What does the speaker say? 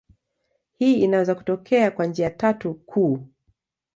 Hii inaweza kutokea kwa njia tatu kuu.